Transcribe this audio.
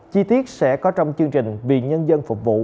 chi tiết sẽ có trong chương trình vì nhân dân phục vụ